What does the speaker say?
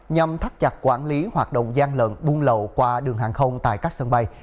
nhằm thắt chặt quản lý hoạt động gian lận buôn lậu qua đường hàng không tại các sân bay